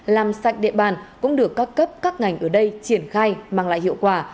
làm sạch địa bàn cũng được các cấp các ngành ở đây triển khai mang lại hiệu quả